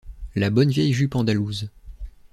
La bonne vieille jupe andalouse.